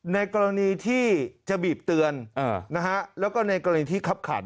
ในกรณีที่จะบีบเตือนแล้วก็ในกรณีที่คับขัน